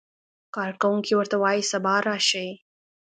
کارکوونکی ورته وایي سبا راشئ.